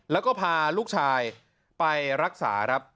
แล้วก็พาลูกชายไปรักษาครับ